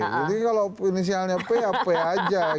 jadi kalau inisialnya p ya p aja